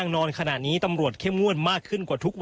อันนี้คือเต็มร้อยเป็นเต็มร้อยเปอร์เซ็นต์แล้วนะครับ